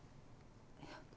いや。